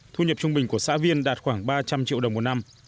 thu nhập trung bình của xã viên đạt khoảng ba trăm linh triệu đồng một năm